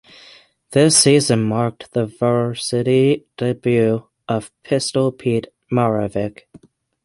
This season marked the varsity debut of "Pistol" Pete Maravich.